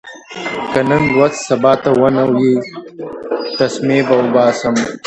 که نن لوست سبا ته ونه وي، تسمې به اوباسم.